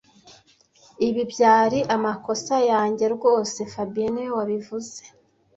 Ibi byari amakosa yanjye rwose fabien niwe wabivuze